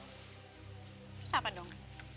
terus apa dong